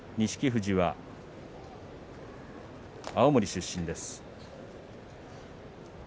富士は青森出身です。